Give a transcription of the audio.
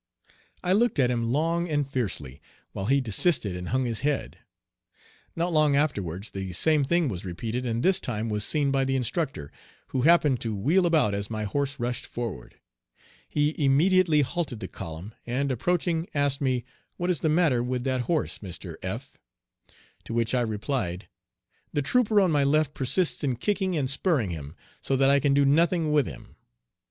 I looked at him long and fiercely, while he desisted and hung his head. Not long afterwards the same thing was repeated, and this time was seen by the instructor, who happened to wheel about as my horse rushed forward. He immediately halted the column, and, approaching, asked me, "What is the matter with that horse, Mr. F.?" To which I replied, "The trooper on my left persists in kicking and spurring him, so that I can do nothing with him."